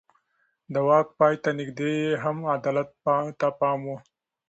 د واک پای ته نږدې يې هم عدالت ته پام و.